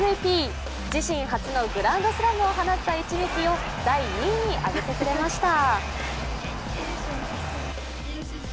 自身初のグランドスラムを放った一撃を第２位にあげてくれました。